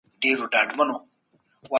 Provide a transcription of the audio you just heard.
زه غواړم د ټولنیزو علومو په برخه کي کار وکړم.